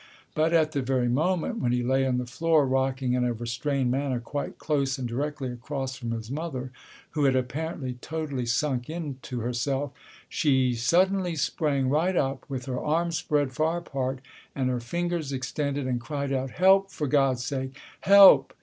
But at the very moment when he lay on the floor rocking in a restrained manner quite close and directly across from his mother, who had apparently totally sunk into herself, she suddenly sprang right up with her arms spread far apart and her fingers extended and cried out, "Help, for God's sake, help!"